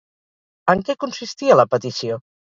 En què consistia la petició?